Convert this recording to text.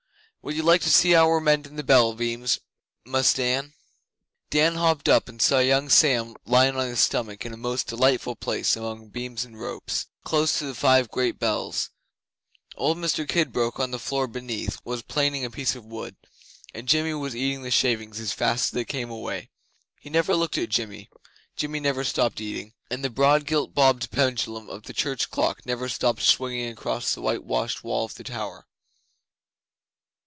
Would you like to see how we're mendin' the bell beams, Mus' Dan?' Dan hopped up, and saw young Sam lying on his stomach in a most delightful place among beams and ropes, close to the five great bells. Old Mr Kidbrooke on the floor beneath was planing a piece of wood, and Jimmy was eating the shavings as fast as they came away. He never looked at Jimmy; Jimmy never stopped eating; and the broad gilt bobbed pendulum of the church clock never stopped swinging across the white washed wall of the tower.